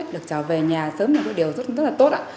được trở về nhà sớm là điều rất là tốt